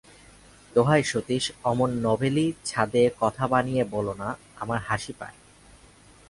দোহাই সতীশ, অমন নভেলি ছাঁদে কথা বানিয়ে বলো না, আমার হাসি পায়।